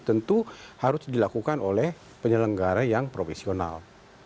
tentu harus dilakukan oleh penyelenggara yang profesional